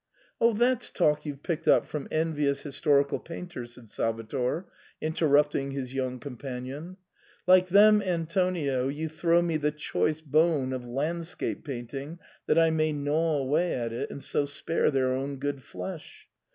" That's talk you've picked up from envious histori cal painters," said Salvator, interrupting his young companion; "like them, Antonio, you throw me the choice bone of landscape painting that I may gnaw away at it, and so spare tlieir own good flesh.